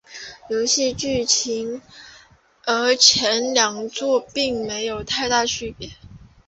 游戏的剧情与前两作并没有太多区别。